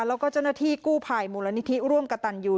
แล้วก็เจ้าหน้าที่กู้ภัยมูลนิธิร่วมกับตันยู